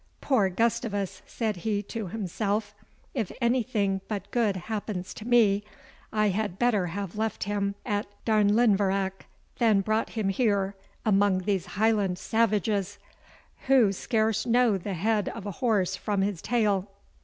"Poor Gustavus!" said he to himself, "if anything but good happens to me, I had better have left him at Darnlinvarach than brought him here among these Highland salvages, who scarce know the head of a horse from his tail.